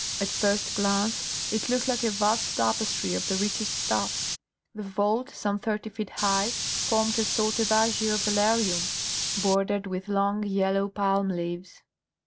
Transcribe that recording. At first glance it looked like a vast tapestry of the richest stuffs. The vault, some thirty feet high, formed a sort of azure velarium bordered with long yellow palm leaves.